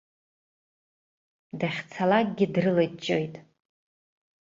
Дахьцалакгьы дрылыҷҷоит.